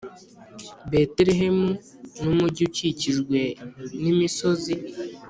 Betelehemu n umujyi ukikijwe n imisozi